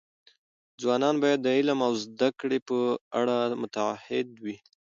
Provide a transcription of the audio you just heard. ځوانان باید د علم او زده کړې په اړه متعهد وي.